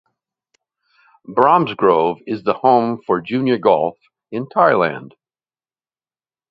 Bromsgrove is the home for junior golf in Thailand.